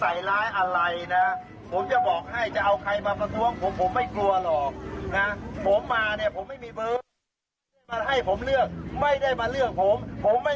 จะถามนายกว่าสนับสนุนกัญชาเสรีหรือเปล่า